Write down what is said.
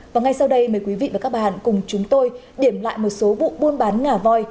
và ngay sau đây mời quý vị và các bạn cùng chúng tôi điểm lại một số vụ buôn bán ngà voi